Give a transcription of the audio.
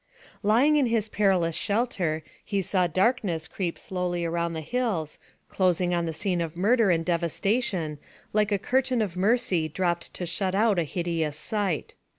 Lying in his perilous shelter, he saw darkness creep slowly around the hills, closing on the scene of murder and devastation, like a curtain of mercy dropped to shut out a hideous sight.